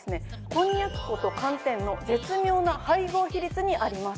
こんにゃく粉と寒天の絶妙な配合比率にあります。